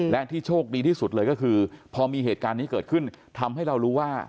และที่โชคดีที่สุดเลยก็คือพอมีเหตุการณ์นี้เกิดขึ้นทำให้เรารู้ว่า